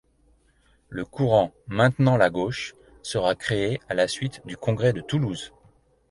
Le courant Maintenant la gauche sera créé à la suite du Congrès de Toulouse.